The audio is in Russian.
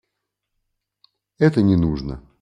Это не нужно.